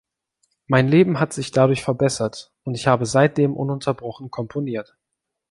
Mein Leben hat sich dadurch verbessert, und ich habe seitdem ununterbrochen komponiert.